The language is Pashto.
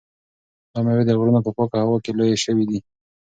دا مېوې د غرونو په پاکه هوا کې لویې شوي دي.